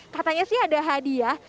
katanya sih ada hadiah